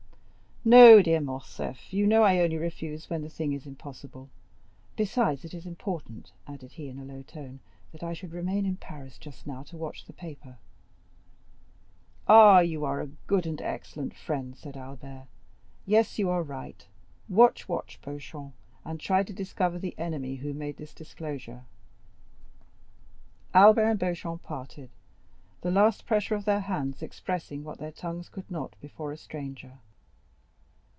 "No, dear Morcerf; you know I only refuse when the thing is impossible. Besides, it is important," added he in a low tone, "that I should remain in Paris just now to watch the paper." "Ah, you are a good and an excellent friend," said Albert; "yes, you are right; watch, watch, Beauchamp, and try to discover the enemy who made this disclosure." Albert and Beauchamp parted, the last pressure of their hands expressing what their tongues could not before a stranger.